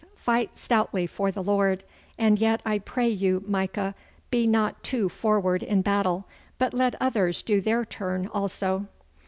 Fight stoutly for the Lord, and yet I pray you, Micah, be not too forward in battle, but let others do their turn also.